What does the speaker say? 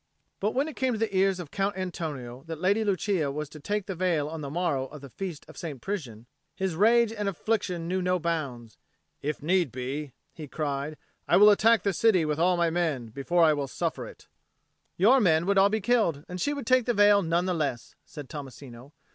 But when it came to the ears of Count Antonio that the Lady Lucia was to take the veil on the morrow of the feast of St. Prisian, his rage and affliction knew no bounds. "If need be," he cried, "I will attack the city with all my men, before I will suffer it." "Your men would be all killed, and she would take the veil none the less," said Tommasino.